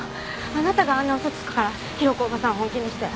あなたがあんな嘘つくから広子おばさん本気にして。